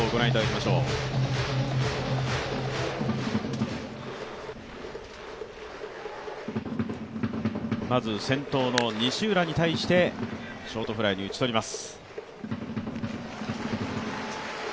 まず先頭の西浦に対してショートフライに打ち取ります。